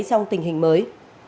trong tình hình mới